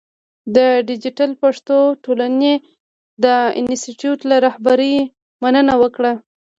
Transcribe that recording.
د دیجیټل پښتو ټولنې د انسټیټوت له رهبرۍ مننه وکړه.